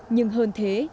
nhưng hơn thế